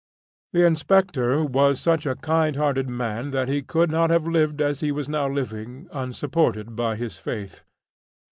The inspector was such a kind hearted man that he could not have lived as he was now living unsupported by his faith.